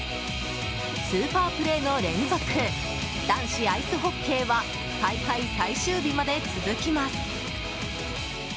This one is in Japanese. スーパープレーの連続男子アイスホッケーは大会最終日まで続きます。